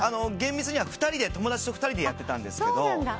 厳密には友達と２人でやってたんですけど。